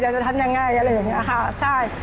เราจะทำอย่างง่ายอะไรอย่างนี้ค่ะใช่